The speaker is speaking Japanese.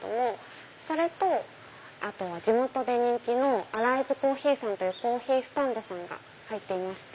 それとあとは地元で人気の亜良以豆珈琲さんというコーヒースタンドさんが入っていまして。